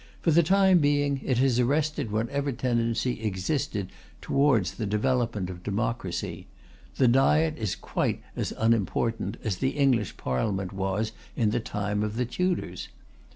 For the time being, it has arrested whatever tendency existed towards the development of democracy; the Diet is quite as unimportant as the English Parliament was in the time of the Tudors.